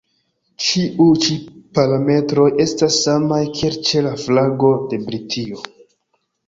Ĉiuj ĉi parametroj estas samaj, kiel ĉe la flago de Britio.